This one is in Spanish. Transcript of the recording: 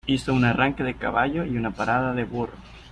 Hizo un arranque de caballo y una parada de burro.